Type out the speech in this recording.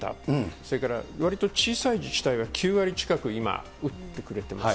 それからわりと小さい自治体は９割近く今、打ってくれてます。